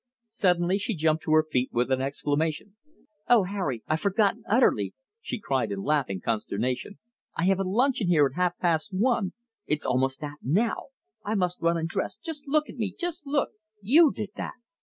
Suddenly she jumped to her feet with an exclamation. "Oh, Harry! I'd forgotten utterly!" she cried in laughing consternation. "I have a luncheon here at half past one! It's almost that now. I must run and dress. Just look at me; just LOOK! YOU did that!"